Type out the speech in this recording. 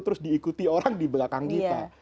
terus diikuti orang di belakang kita